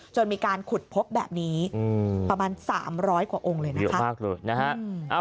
จนมีการขุดพกแบบนี้ประมาณสามร้อยกว่าองค์เลยนะครับ